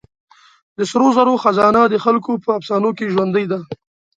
د سرو زرو خزانه د خلکو په افسانو کې ژوندۍ ده.